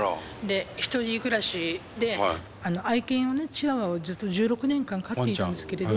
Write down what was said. １人暮らしで愛犬をねチワワをずっと１６年間飼っているんですけれど。